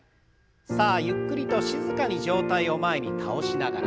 さあゆっくりと静かに上体を前に倒しながら。